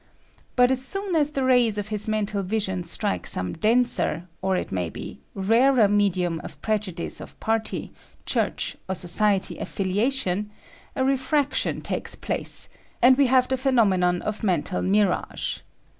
But as soon as the rays of his mental vision strike some denser, or, it may be, rarer medium of prejudice of party, church, or society affiliation, a refraction takes place, and we have the phenomenon of mental mirage.